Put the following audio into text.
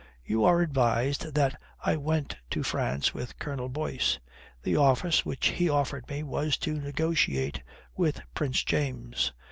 You are advised that I went to France with Colonel Boyce. The office which he offered me was to negotiate with Prince James.